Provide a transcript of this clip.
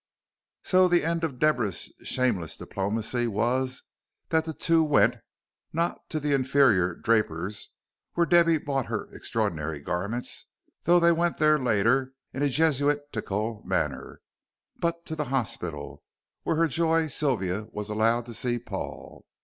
So the end of Deborah's shameless diplomacy was, that the two went, not to the inferior draper's where Debby bought her extraordinary garments though they went there later in a Jesuitical manner but to the hospital, where to her joy Sylvia was allowed to see Paul.